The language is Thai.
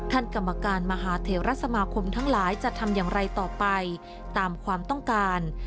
กรรมการมหาเทวรัฐสมาคมทั้งหลายจะทำอย่างไรต่อไปตามความต้องการ